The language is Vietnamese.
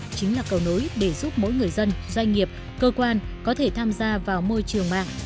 chính là cầu nối để giúp mỗi người dân doanh nghiệp cơ quan có thể tham gia vào môi trường mạng